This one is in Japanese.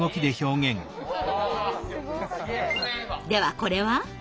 ではこれは？